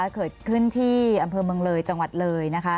เกิดขึ้นที่อำเภอเมืองเลยจังหวัดเลยนะคะ